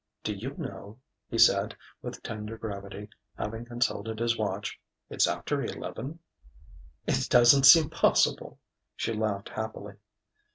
"Do you know," he said with tender gravity, having consulted his watch, "it's after eleven?" "It doesn't seem possible," she laughed happily.